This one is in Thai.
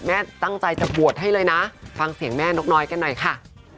แม่ตั้งใจจะบวชให้เลยนะฟังเสียงแม่นกน้อยกันหน่อยค่ะ